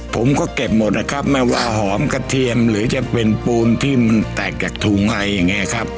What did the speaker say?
ผมก็เก็บหมดนะครับไม่ว่าหอมกระเทียมหรือจะเป็นปูนที่มันแตกจากถุงอะไรอย่างนี้ครับ